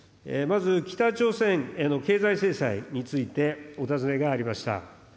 まず、北朝鮮への経済制裁について、お尋ねがありました。